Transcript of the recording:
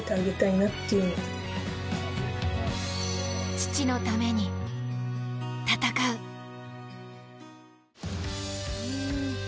父のために戦う。